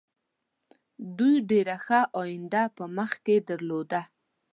دوی ډېره ښه آینده په مخکې درلودله.